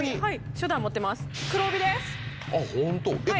初段持ってます。